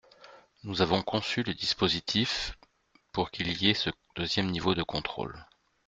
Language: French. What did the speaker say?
Nous avons conçu le dispositif pour qu’il y ait ce deuxième niveau de contrôle.